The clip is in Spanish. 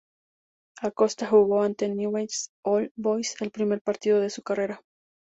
Acosta jugó ante Newell’s Old Boys el primer partido de su carrera.